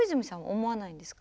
思わないんですか？